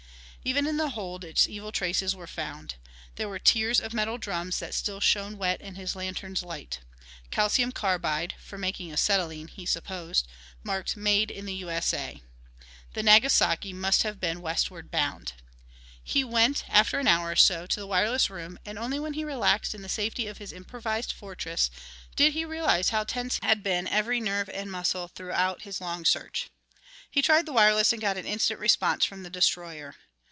Even in the hold its evil traces were found. There were tiers of metal drums that still shone wet in his lantern's light. Calcium carbide for making acetylene, he supposed marked "Made in U.S.A." The Nagasaki must have been westward bound. He went, after an hour or so, to the wireless room, and only when he relaxed in the safety of his improvised fortress did he realize how tense had been every nerve and muscle through his long search. He tried the wireless and got an instant response from the destroyer.